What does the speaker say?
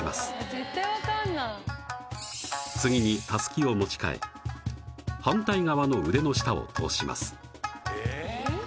絶対わかんない次にたすきを持ち替え反対側の腕の下を通しますええー？